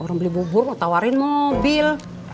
orang beli bubur mau tawarin mobil